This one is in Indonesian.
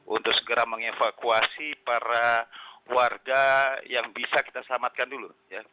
untuk segera mengevakuasi para warga yang bisa kita selamatkan dulu